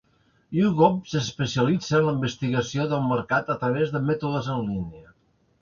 YouGov s'especialitza en la investigació del mercat a través de mètodes en línia.